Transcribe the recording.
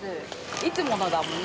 いつものだもんね。